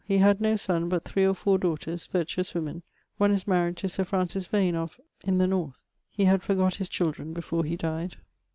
He had no son, but 3 or 4 daughters, virtuous woemen: one is maried to Sir Francis Vane of ... in the north. He had forgot his children before he died.